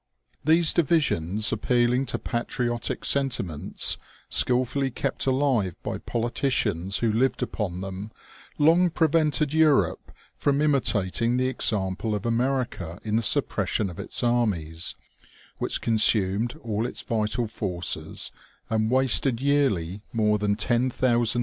These divisions, appealing to patriotic sentiments skill fully kept alive by politicians who lived upon them, long prevented Europe from imitating the example of America in the suppression of its armies, which consumed all its yital forces and wasted yearly more than ten thousand OMEGA.